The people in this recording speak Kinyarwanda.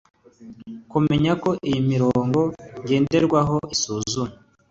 Kumenya ko iyi mirongo ngenderwaho isuzumwa